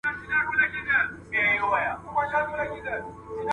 د اقتصادي پرمختیا لپاره باید ښه شرایط برابر سي.